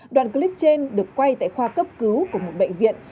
đoạn clip trên được quay tại khoa cấp cứu của một bệnh viện